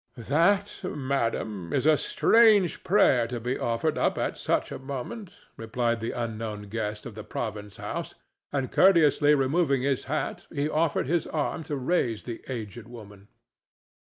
"That, madam, is a strange prayer to be offered up at such a moment," replied the unknown guest of the province house, and, courteously removing his hat, he offered his arm to raise the aged woman.